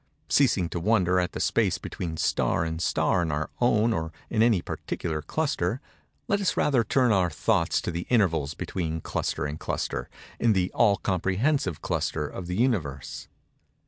Ceasing to wonder at the space between star and star in our own or in any particular cluster, let us rather turn our thoughts to the intervals between cluster and cluster, in the all comprehensive cluster of the Universe.